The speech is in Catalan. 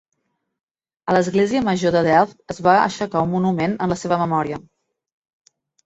A l'Església Major de Delft es va aixecar un monument en la seva memòria.